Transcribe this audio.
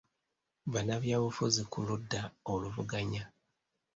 Bannabyabufuzi ku ludda oluvuganya.